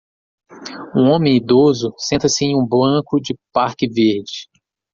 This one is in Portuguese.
Um homem idoso senta-se em um banco de parque verde.